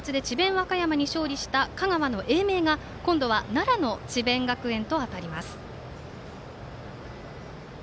和歌山に勝利した香川の英明が今度は奈良の智弁学園とあたります。